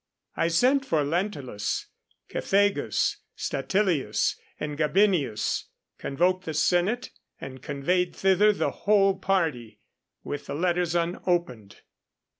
I sent for Lentulus, Cethegus, Statilius, and Gabinius, convoked the Senate, and conveyed thither the whole party, with the letters unopened.